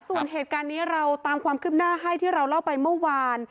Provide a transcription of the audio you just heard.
ส่วนเหตุการณ์นี้เราตามความคืบหน้าให้ที่เราเล่าไปเมื่อวาน